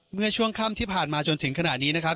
เมื่อช่วงค่ำที่ผ่านมาจนถึงขณะนี้นะครับ